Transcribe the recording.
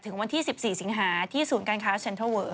วันที่๑๔สิงหาที่ศูนย์การค้าเซ็นเทอร์เวอร์